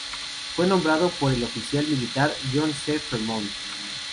Fue nombrado por el oficial militar John C. Fremont.